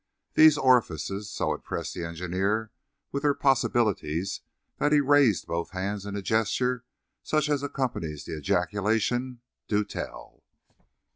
These orifices so impressed the engineer with their possibilities that he raised both hands in a gesture such as accompanies the ejaculation "Do tell!"